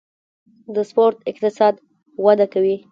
د سپورت اقتصاد وده کوي